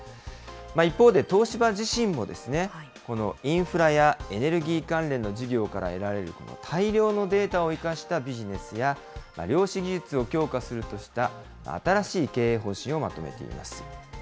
一方で東芝自身もこのインフラやエネルギー関連の事業から得られる大量のデータを生かしたビジネスや、量子技術を強化するとした新しい経営方針をまとめています。